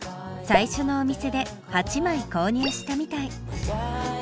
最初のお店で８枚購入したみたい。